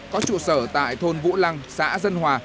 có trụ sở tại thôn vũ lăng xã dân hòa